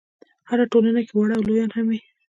هره ټولنه کې واړه او لویان هم وي.